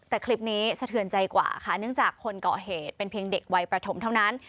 แต่คลิปนี้สะเทือนใจกว่าค่ะเนื่องจากคนก่อเหตุเป็นเพียงเด็กวัยประถมเท่านั้น